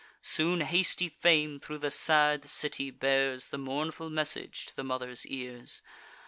Soon hasty fame thro' the sad city bears The mournful message to the mother's ears.